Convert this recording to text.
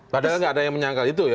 padahal nggak ada yang menyangkal itu ya